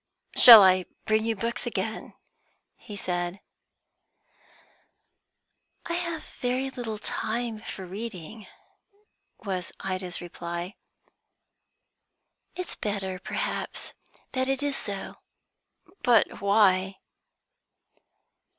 "Shall I bring you books again?" he said. "I have very little time for reading," was Ida's reply. "It's better, perhaps, that it is so." "But why?"